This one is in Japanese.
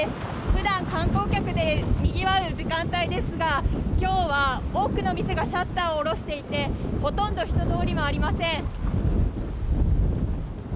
普段、観光客でにぎわう時間帯ですが今日は多くの店がシャッターを下ろしていてほとんど人通りがありません。